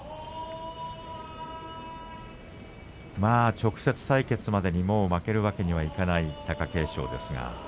直接対決までには負けるわけにはいかない貴景勝です。